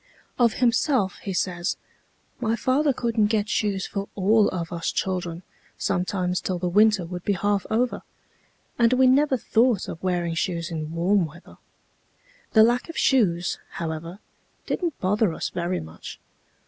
Of himself he says: "My father couldn't get shoes for all of us children sometimes till the winter would be half over, and we never thought of wearing shoes in warm weather. The lack of shoes, however, didn't bother us very much.